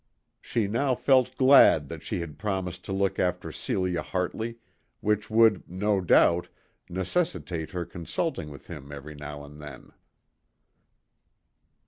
She now felt glad that she had promised to look after Celia Hartley, which would, no doubt, necessitate her consulting with him every now and then.